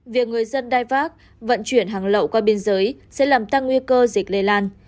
việc người dân đai vác vận chuyển hàng lậu qua biên giới sẽ làm tăng nguy cơ dịch lây lan